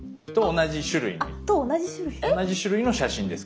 同じ種類の写真です